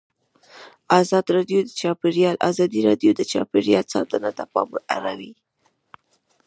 ازادي راډیو د چاپیریال ساتنه ته پام اړولی.